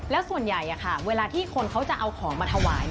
แล้วส่วนใหญ่เวลาที่คนเขาจะเอาของมาถวาย